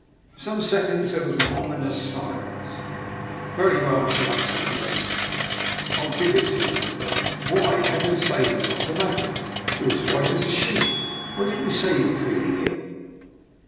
For some sec onds there was an ominous silence. " Very well," she answered, at length, " ril give it to him. But — why, Heaven save us! what's the matter? You're as white as a sheet. Why didn't you say you were feel ing ill?